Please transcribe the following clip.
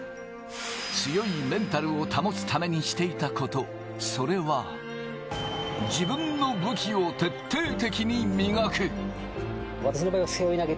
強いメンタルを保つためにしていたこと、それは、自分の武器を徹底的に磨く。